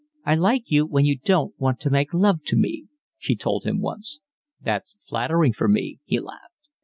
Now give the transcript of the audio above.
"I like you when you don't want to make love to me," she told him once. "That's flattering for me," he laughed.